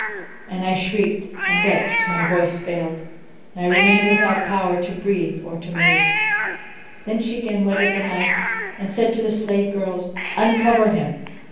and I shrieked and wept till my voice failed and I remained without power to breathe or to move. Then she again whetted the knife and said to the slave girls, "Uncover him."